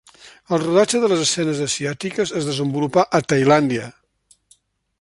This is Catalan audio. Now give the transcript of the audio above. El rodatge de les escenes asiàtiques es desenvolupà a Tailàndia.